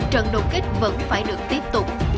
trận đấu kết vẫn phải được tiếp tục